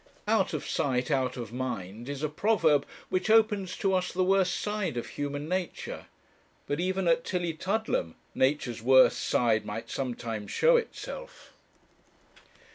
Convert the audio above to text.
'Out of sight out of mind' is a proverb which opens to us the worst side of human nature. But even at Tillietudlem nature's worst side might sometimes show itself.